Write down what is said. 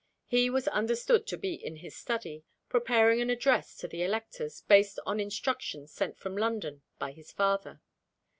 He was understood to be in his study, preparing an address to the electors, based on instructions sent from London by his father.